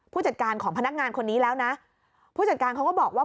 ผู้จัดการของพนักงานคนนี้แล้วนะผู้จัดการเขาก็บอกว่า